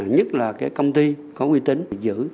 nhất là công ty có quy tính giữ